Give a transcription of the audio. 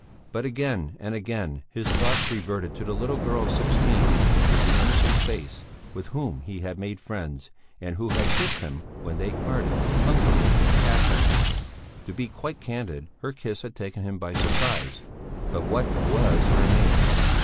But again and again his thoughts reverted to the little girl of sixteen with the innocent face, with whom he had made friends, and who had kissed him when they parted, hungrily, passionately. To be quite candid, her kiss had taken him by surprise. But what was her name?